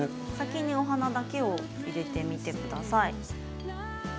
先にお花だけを入れてみてください。